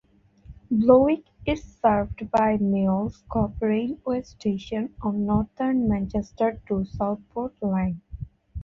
Blowick is served by Meols Cop railway station on Northern's Manchester to Southport Line.